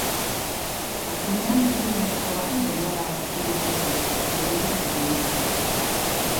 Azkenean, ikusleetako bati bengala bat atzeman zioten eta identifikatu egin zuten.